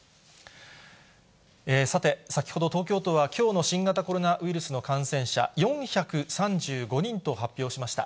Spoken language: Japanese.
さて、先ほど東京都は、きょうの新型コロナウイルスの感染者、４３５人と発表しました。